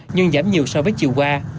nhưng giảm nhiều so với chiều qua